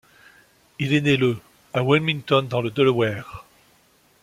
Il est né le à Wilmington dans le Delaware.